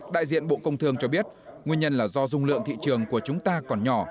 đại diện bộ công thương cho biết nguyên nhân là do dung lượng thị trường của chúng ta còn nhỏ